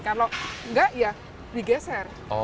kalau enggak ya digeser